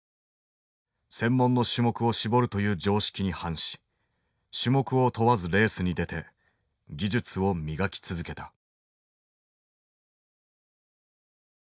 専門の種目を絞るという常識に反し種目を問わずレースに出て技術を磨き続けた。